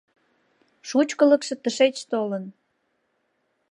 Шучкылыкшо тышеч толын!